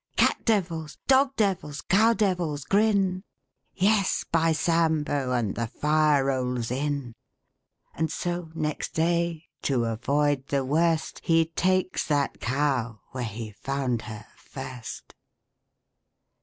Cat devils, dog devils, cow devils grin — Yes, by Sambo, And the fire rolls in. 870911 100 VACHEL LINDSAY And so, next day, to avoid the worst — He ta'kes that cow Where he found her first.